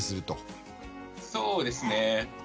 そうですね。